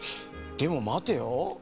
でもまてよ。